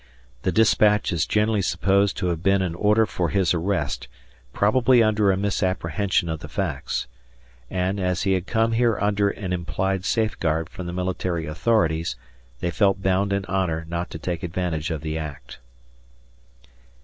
The dispatch is generally supposed to have been an order for his arrest, probably under a misapprehension of the facts, and, as he had come here under an implied safeguard from the military authorities, they felt bound in honor not to take advantage of the act.